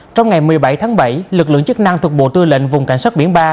trong ngày một mươi bảy tháng bảy lực lượng chức năng thuộc bộ tư lệnh vùng cảnh sát biển ba